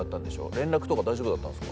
連絡とか大丈夫だったんですか？